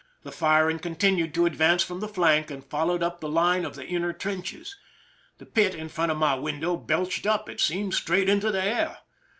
The firing continued to advance from the flank, and fol lowed up the line of the inner trenches. The pit in front of my window belched up, it seemed, straight into the air.